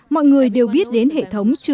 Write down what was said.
mọi người đều biết đến hệ thống của các trường